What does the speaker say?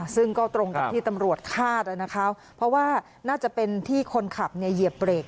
ซึ่งก็ตรงกับที่ตำรวจคาดนะคะเพราะว่าน่าจะเป็นที่คนขับเหยียบเบรก